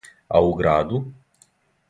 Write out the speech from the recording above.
А у граду?